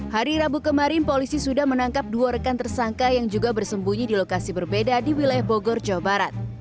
hari rabu kemarin polisi sudah menangkap dua rekan tersangka yang juga bersembunyi di lokasi berbeda di wilayah bogor jawa barat